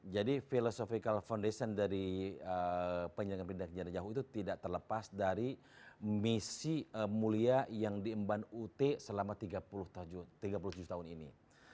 jadi philosophical foundation dari penyelenggaraan kejayaan di jawa jawa itu tidak terlepas dari misi mulia yang diemban ut selama tiga puluh tujuh tahun ini